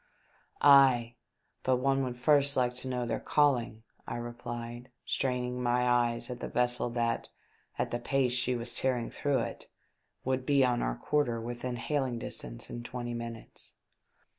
"Ay, but one would first like to know their calling," I replied, straining my eyes at the vessel that, at the pace she was tearing through it, would be on our quarter within hailing distance in twenty minutes.